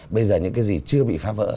bây giờ những cái gì chưa bị phá vỡ